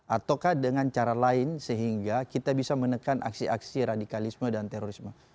ataukah dengan cara lain sehingga kita bisa menekan aksi aksi radikalisme dan terorisme